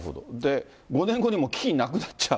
５年後に基金なくなっちゃう。